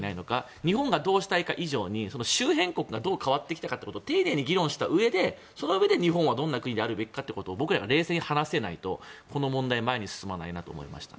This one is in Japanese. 日本がどうしたいか以上に周辺国がどう変わってきたかというのを議論したうえでそのうえで日本はどんな国であるべきかを僕らが冷静に話せないとこの問題は前に進めないなと思いますね。